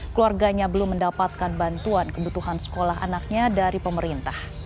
keluarganya belum mendapatkan bantuan kebutuhan sekolah anaknya dari pemerintah